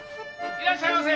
いらっしゃいませ！